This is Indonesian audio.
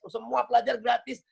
semua pelajar gratis